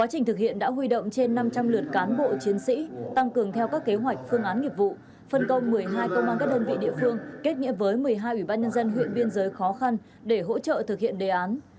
trình thực hiện đã huy động trên năm trăm linh lượt cán bộ chiến sĩ tăng cường theo các kế hoạch phương án nghiệp vụ phân công một mươi hai công an các đơn vị địa phương kết nghĩa với một mươi hai ủy ban nhân dân huyện biên giới khó khăn để hỗ trợ thực hiện đề án